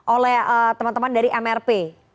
oleh teman teman dari mrp